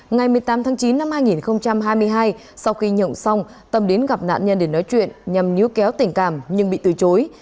ngày một mươi tám tháng chín năm hai nghìn hai mươi hai sau khi nhộng xong tâm đến gặp nạn nhân để nói chuyện nhằm nhú kéo tình cảm nhưng bị từ chối